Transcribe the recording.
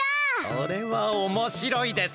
それはおもしろいですね！